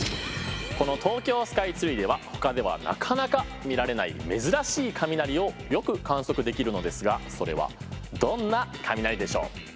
この東京スカイツリーではほかではなかなか見られない珍しい雷をよく観測できるのですがそれはどんな雷でしょう？